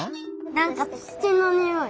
なんかつちのにおい。